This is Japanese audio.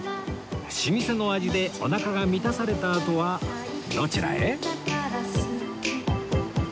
老舗の味でおなかが満たされたあとはどちらへ？